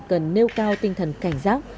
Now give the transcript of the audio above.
cần nâng cao tinh thần cảnh giác